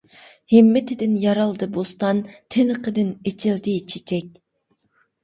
ھىممىتىدىن يارالدى بوستان، تىنىقىدىن ئېچىلدى چېچەك.